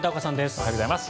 おはようございます。